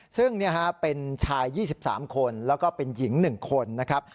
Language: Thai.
ซึ่งเป็นชาย๒๓คนแล้วก็เป็นหญิง๑คนนะครับ